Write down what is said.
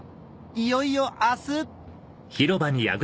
いよいよ明日